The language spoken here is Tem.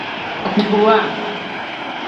Agbogbowa.